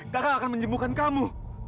kakang akan menjembukkan kamu